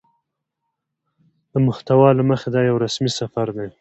د محتوا له مخې دا يو رسمي سفر دى